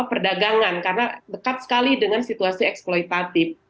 perdagangan karena dekat sekali dengan situasi eksploitatif